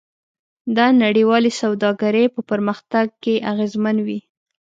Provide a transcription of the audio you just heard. دا نړیوالې سوداګرۍ په پرمختګ کې اغیزمن وي.